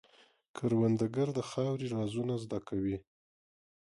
کروندګر د خاورې رازونه زده کوي